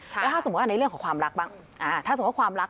แล้วถ้าสมมุติในเรื่องของความรักบ้างถ้าสมมุติว่าความรัก